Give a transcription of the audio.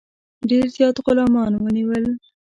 ډېر زیات غلامان ونیول.